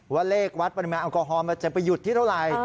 ว่าเลขวัฒน์ปริมาศอัลโกฮอล์มจะมาหยุดที่เท่าไร